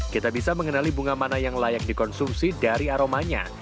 kita bisa mengenali bunga mana yang layak dikonsumsi dari aromanya